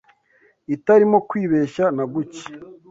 itarimo kwibeshya na guke